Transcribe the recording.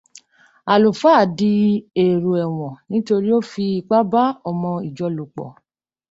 Àlùfáà di èrò ẹ̀wọ̀n nítorí ó fi ipá bá ọmọ ìjọ lòpọ̀.